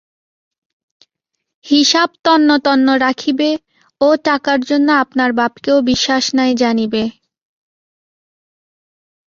হিসাব তন্ন তন্ন রাখিবে ও টাকার জন্য আপনার বাপকেও বিশ্বাস নাই জানিবে।